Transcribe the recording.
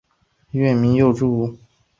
院名又著名学者袁行霈题写。